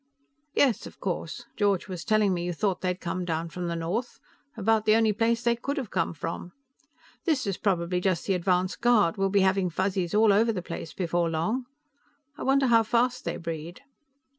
"Yes, of course. George was telling me you thought they'd come down from the north; about the only place they could have come from. This is probably just the advance guard; we'll be having Fuzzies all over the place before long. I wonder how fast they breed."